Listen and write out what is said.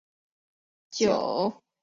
九嶷山相传为舜帝安葬之地。